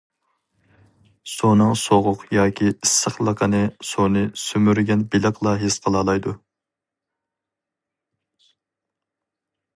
سۇنىڭ سوغۇق ياكى ئىسسىقلىقىنى سۇنى سۈمۈرگەن بېلىقلا ھېس قىلالايدۇ.